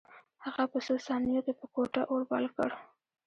هغه په څو ثانیو کې په کوټه اور بل کړ